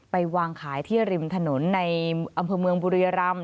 ไปวางขายที่ริมถนนในอำเภอเมืองบุรียรำ